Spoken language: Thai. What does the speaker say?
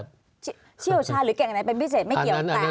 ทำได้ทั้งหมด